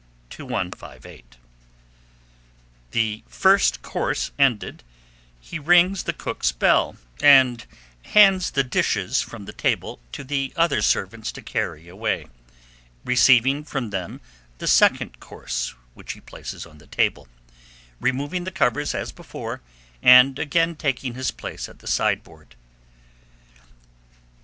2158. The first course ended, he rings the cook's bell, and hands the dishes from the table to the other servants to carry away, receiving from them the second course, which he places on the table, removing the covers as before, and again taking his place at the sideboard.